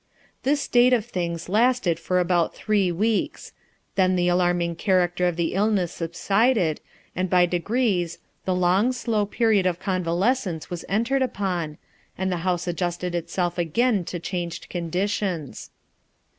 This state of things lasted for about three weeks; then the alarming character of the ill ness subsided, and by degrees, the long, slow A STRANGE CHANGE 337 period of convalescence was entered upon and the house adjusted itself again to changed conditions.